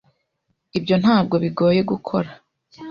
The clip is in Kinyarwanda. Ibyo ntabwo bigoye gukora.